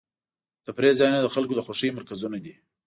د تفریح ځایونه د خلکو د خوښۍ مرکزونه دي.